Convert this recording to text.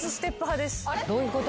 ・どういうこと？